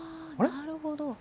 なるほど。